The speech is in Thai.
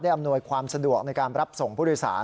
อำนวยความสะดวกในการรับส่งผู้โดยสาร